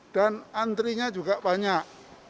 dan antrinya juga banyak